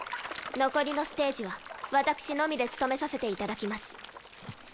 残りのステージは私のみで務めさせていただきます。